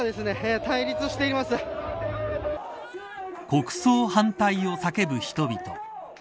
国葬反対を叫ぶ人々。